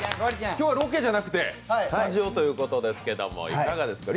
今日はロケじゃなくてスタジオということでいかがですか？